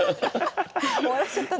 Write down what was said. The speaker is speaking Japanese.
終わっちゃったんだ。